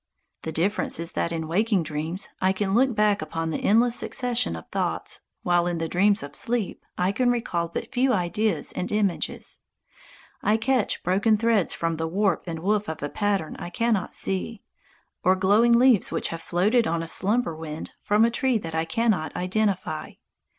The difference is that in waking dreams I can look back upon the endless succession of thoughts, while in the dreams of sleep I can recall but few ideas and images. I catch broken threads from the warp and woof of a pattern I cannot see, or glowing leaves which have floated on a slumber wind from a tree that I cannot identify.